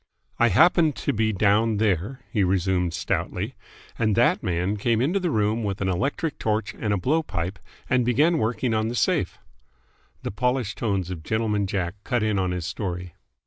"I happened to be down there," he resumed stoutly, "and that man came into the room with an electric torch and a blowpipe and began working on the safe " The polished tones of Gentleman Jack cut in on his story.